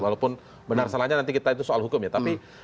walaupun benar salahnya nanti kita itu soal hukum ya tapi